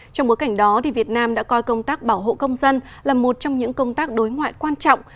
trong bối cảnh đó việt nam đã coi công tác bảo hộ công dân là một trong những công tác đối ngoại quan trọng